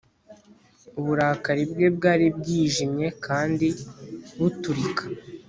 Uburakari bwe bwari bwijimye kandi buturika